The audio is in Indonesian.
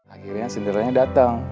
akhirnya cinderella nya datang